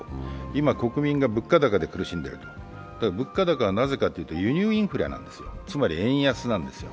今、国民が物価高で苦しんでいると物価高はなぜかというと輸入インフレなんですよ、つまり円安なんですよ。